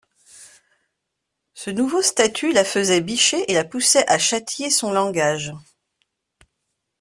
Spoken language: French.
Ce nouveau statut la faisait bicher et la poussait à châtier son langage.